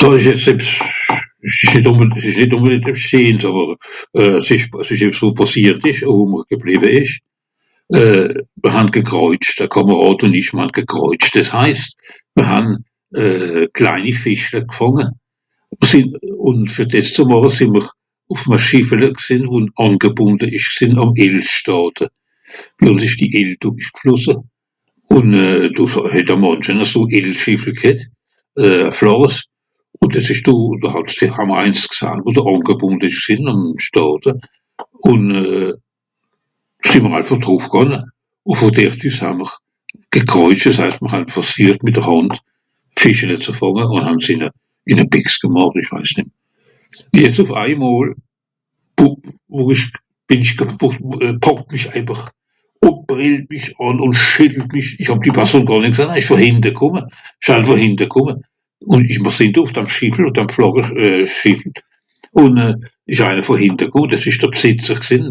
"Do ìsch jetz ebbs, ìsch nìt ùnbe... s'ìsch nìt ùnbedìngt ebbs scheens àwer euh... euh... s'ìsch... s'ìsch ebbs wo pàssiert ìsch, wo mr geblìwe ìsch. Euh... mìr han gekràuitscht, e Kàmàràd ùn ìch mr han gekräutscht, dìs heist, mr han euh... kleini Fìschle gfànge. Sìnn... ùn fer dìs ze màche sìì'mr ùff'eme Schìffele gsìnn ùn àngebùnde ìsch gsìnn àm (...). Noh het sich die Él do üssgflosse. Ùn euh... do (...). Ùn dìs ìsch do, (...) ùn do àngebùnde ìsch gsìnn ùn (...). Ùn euh... sìì'mr also drùffgànge. Ù vù dert üss haa'mr... gekràuitscht, es heist mìr han versüecht mìt dr Hànd Fìschele ze fànge ùn han sìe ìn e... ìn e Bìx gemàcht ìch weis nìt. Jetz ùff ei Mol [unintelligible] pàckt mich äbber ùn brìellt mìch àn ùn (...) mich. Ìch hàb die Personn gàr nìt (...) ìsch vù hìnte kùmme, ìsch eifàch hìnte kùmme? Ùn ìch... mr sìnn do ùff dam Schìffel, ùff dam (...) ùn euh... Schìffel. Ùn euh ìsch einer vùn hìnte kùmme dìs ìsch de Bsìtzer gsìnn,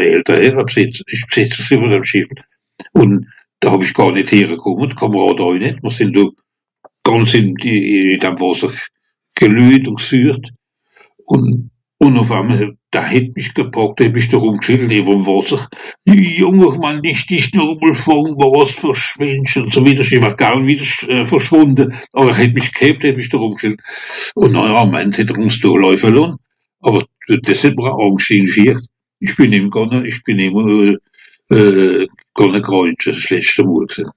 e älter Herr ìsch Bsìtz... ìsch Bsìtzer gsìnn vùn dam schìffel. Ùn do hàw-ìch gàr nìt heere kùmme, d'Kàmàràd àui nìt, mìr sìnn do gànz ìn di...dam Wàsser geluejt ùn gesüecht. Ùn ... ùn ùff ein mol het... da het mich gepàckt (...) näwe'm Wàsser ""(...)"". Ùn so wittersch (...) wittersch verschwùnde, àwer het mich (...). Àm End het er ùn doch làuife lonn, àwer dìs het mr (...). Ìch bìn nìmm gànge ìch bìn nìmm euh... kùmme kràuitsche s'letschte mol gsìnn."